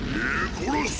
殺す！